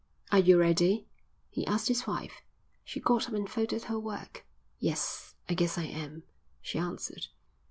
"Are you ready?" he asked his wife. She got up and folded her work. "Yes, I guess I am," she answered.